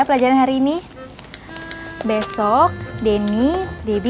yaudah ulangi deh